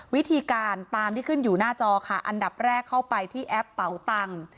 วิธีการตามที่ขึ้นอยู่หน้าจอค่ะอันดับแรกเข้าไปที่แอปเป่าตังค์